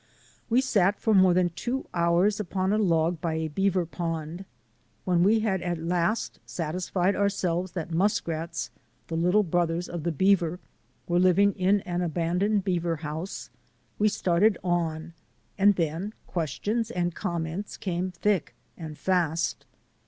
We sat for more than two hours upon a log by a beaver pond. When we had at last satisfied our selves that muskrats — the little brothers of the beaver — were living in an abandoned beaver house, we started on and then questions and comments came thick and fast.